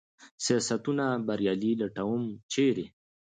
سیاستونه بریالي لټوم ، چېرې ؟